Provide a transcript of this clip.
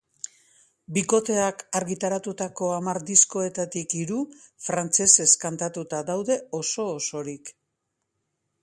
Bikoteak argitaratutako hamar diskoetatik hiru frantsesez kantatuta daude oso osorik.